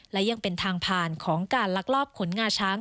และยังเป็นทางผ่านของการลักลอบขนงาช้าง